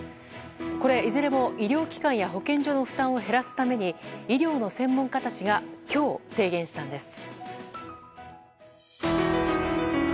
これ、いずれも医療機関や保健所の負担を減らすために医療の専門家たちが今日、提言したんです。